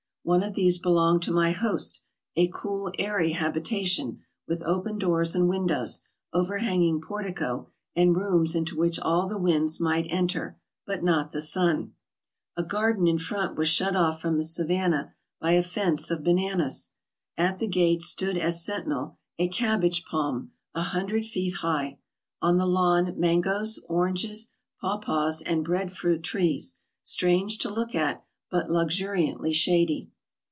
One of these be longed to my host, a cool, airy habitation, with open doors and windows, overhanging portico, and rooms into which all the winds might enter, but not the sun. A garden in front was shut off from the savanna by a fence of bananas. At the gate stood as sentinel a cabbage palm a hundred 416 MISCELLANEOUS 417 feet high ; on the lawn mangoes, oranges, papaws, and bread fruit trees, strange to look at, but luxuriantly shady.